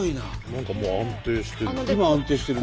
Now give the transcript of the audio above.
何かもう安定してる。